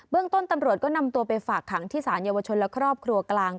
ต้นตำรวจก็นำตัวไปฝากขังที่สารเยาวชนและครอบครัวกลาง